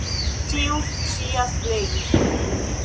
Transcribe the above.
Ĉiu scias legi.